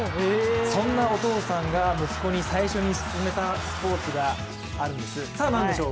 そんなお父さんが息子に最初に薦めたスポーツがあるんです、何でしょう？